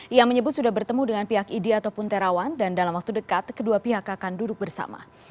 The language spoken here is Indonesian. ia menyebut sudah bertemu dengan pihak idi ataupun terawan dan dalam waktu dekat kedua pihak akan duduk bersama